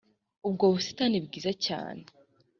ubwo busitani bwiza cyane